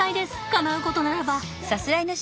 かなうことならば！